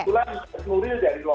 itu lah dari lombok waktu itu